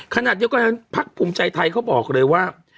ขนาดนี้ก็พรรคภูมิใจไทยเขาบอกเลยว่า